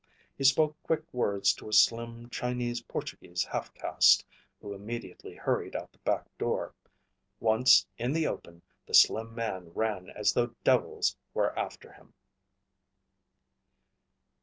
He spoke quick words to a slim Chinese Portuguese half caste who immediately hurried out the back door. Once in the open, the slim man ran as though devils were after him.